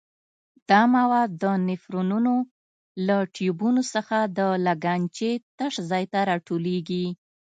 دا مواد د نفرونونو له ټیوبونو څخه د لګنچې تش ځای کې را ټولېږي.